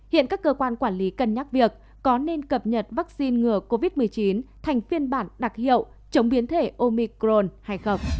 hiện các cơ quan quản lý cân nhắc việc có nên cập nhật vaccine ngừa covid một mươi chín thành phiên bản đặc hiệu chống biến thể omicron hay không